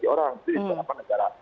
orang jadi negara negara